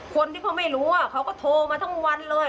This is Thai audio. คนที่เขาไม่รู้เขาก็โทรมาทั้งวันเลย